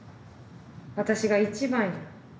私が一番や。